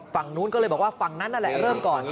ฝั่งนู้นก็เลยบอกว่าฝั่งนั้นนั่นแหละเริ่มก่อน